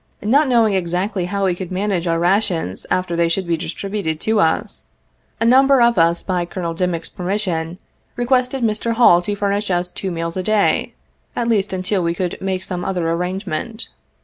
Not knowing exactly how we could manage our rations after they should be distributed to us, a number of us by Colonel Dimick's permission, requested Mr. Hall to fur nish us two meals a day, at least until we could make some other arrangement.